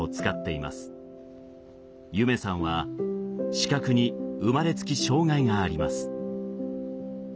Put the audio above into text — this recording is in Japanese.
夢さんは視覚に生まれつき障害があります。